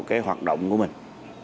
các cái hoạt động của mình